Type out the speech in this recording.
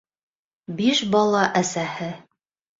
Биш бала әсәһе.